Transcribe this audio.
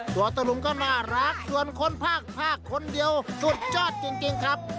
ตัวตะลุงก็น่ารักส่วนคนภาคภาคคนเดียวสุดยอดจริงครับ